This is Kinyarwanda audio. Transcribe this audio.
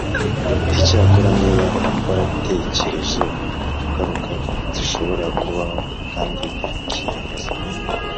Icyakora niba waratekereje ku ngaruka zishobora kubaho kandi ukiyemeza